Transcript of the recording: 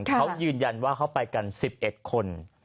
เขายืนยันว่าเขาไปกัน๑๑คน